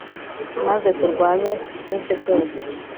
Maze turwanye nk’ibyo byose